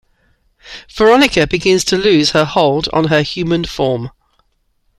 Veronica begins to lose her hold on her human form.